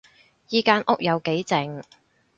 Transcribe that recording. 依間屋有幾靜